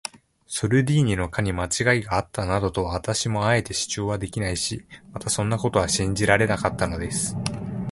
ソルディーニの課にまちがいがあったなどとは、私もあえて主張できないし、またそんなことは信じられなかったのです。